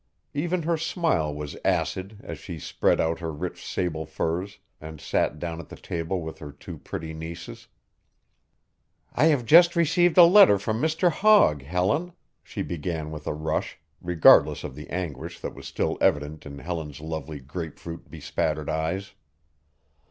Even her smile was acid as she spread out her rich sable furs and sat down at the table with her two pretty nieces. "I have just received a letter from Mr. Hogg, Helen," she began with a rush, regardless of the anguish that was still evident in Helen's lovely grapefruit bespattered eyes.